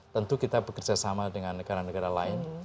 tentu kita bekerja sama dengan negara negara lain